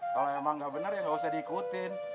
kalo emang gak bener ya gak usah diikutin